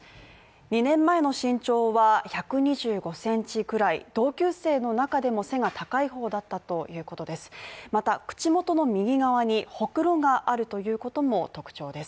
２年前の身長は１２５センチくらい、同級生の中でも背が高い方だったということです。